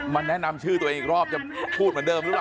แนะนำชื่อตัวเองอีกรอบจะพูดเหมือนเดิมหรือเปล่า